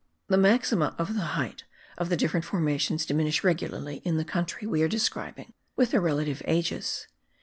The maxima of the height of the different formations diminish regularly in the country we are describing with their relative ages.